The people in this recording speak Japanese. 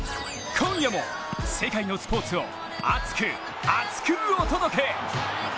今夜も世界のスポーツを熱く厚くお届け！